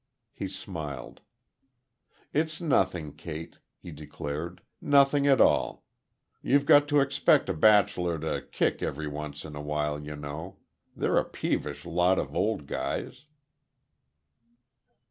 He smiled. "It's nothing, Kate," he declared, "nothing at all. You've got to expect a bachelor to kick every once in a while, you know. They're a peevish lot of old guys."